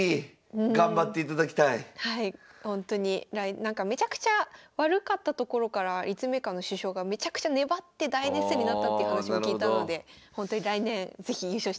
なんかめちゃくちゃ悪かったところから立命館の主将がめちゃくちゃ粘って大熱戦になったっていう話も聞いたのでほんとに来年是非優勝していただきたいなと。